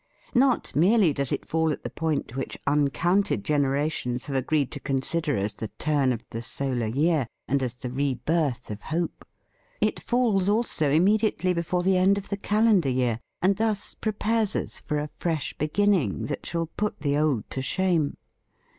Not merely does it fall at the point which uncounted generations have agreed to consider as the turn of THE FEAST OF ST FRIEND the solar year and as the rebirth of hope! It falls also immediately before the end of the calendar year, and thus prepares us for a fresh beginning that shall put the old to shame.